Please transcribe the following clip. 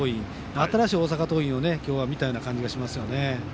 新しい大阪桐蔭を今日は見た感じがしますね。